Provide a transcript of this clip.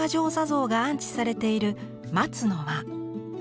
坐像が安置されている松の間。